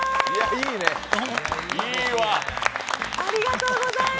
いいわ！